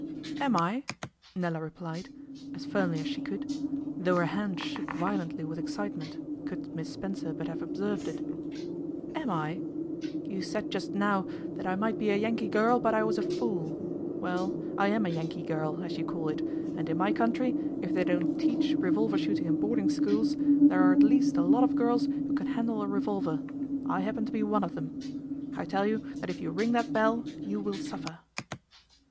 'Am I?' Nella replied, as firmly as she could, though her hand shook violently with excitement, could Miss Spencer but have observed it. 'Am I? You said just now that I might be a Yankee girl, but I was a fool. Well, I am a Yankee girl, as you call it; and in my country, if they don't teach revolver shooting in boarding schools, there are at least a lot of girls who can handle a revolver. I happen to be one of them. I tell you that if you ring that bell you will suffer.